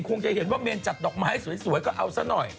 คงจะเห็นว่าเมนจัดดอกไม้สวยก็เอาซะหน่อย